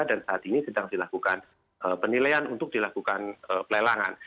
dan saat ini sedang dilakukan penilaian untuk dilakukan pelelangan